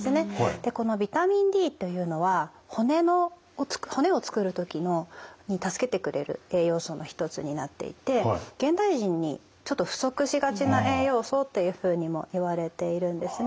でこのビタミンＤというのは骨を作る時に助けてくれる栄養素の一つになっていて現代人にちょっと不足しがちな栄養素っていうふうにもいわれているんですね。